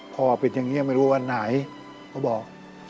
พ่อเป็นอย่างนี้ไม่รู้วันไหนเขาบอก